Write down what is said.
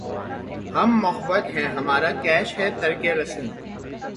ہم موّحد ہیں‘ ہمارا کیش ہے ترکِ رسوم